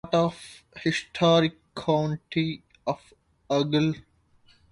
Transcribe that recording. It is part of historic county of Urgell.